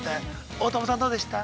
◆大友さん、どうでした？